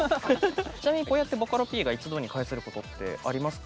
ちなみにこうやってボカロＰが一堂に会することってありますか？